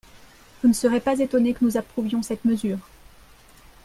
Vous ne serez pas étonnés que nous approuvions cette mesure.